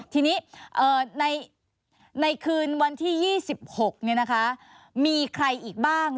ทีนี้ในคืนวันที่๒๖มีใครอีกบ้าง